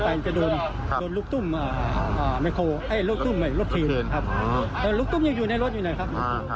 ก็จะโดนลูกตุ้มรถเครนลูกตุ้มยังอยู่ในรถอยู่หน่อยครับ